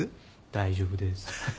大丈夫です。